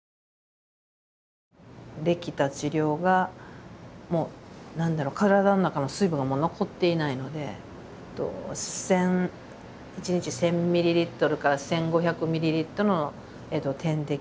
できた治療がもう何だろう体の中の水分が残っていないので一日１，０００ミリリットルから１，５００ミリリットルの点滴。